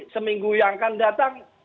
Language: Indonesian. seminggu yang akan datang